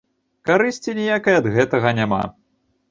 Карысці ніякай ад гэтага няма.